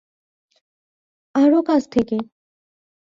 আরও কাছ থেকে।